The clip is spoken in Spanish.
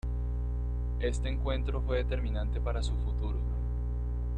Este encuentro fue determinante para su futuro.